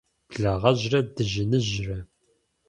Благъэжьрэ дыжьыныжьрэ.